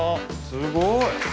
すごい！